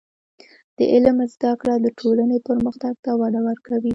د علم زده کړه د ټولنې پرمختګ ته وده ورکوي.